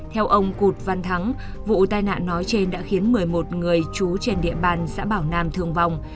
theo ông cụt văn thắng vụ tai nạn nói trên đã khiến một mươi một người trú trên địa bàn xã bảo nam thương vong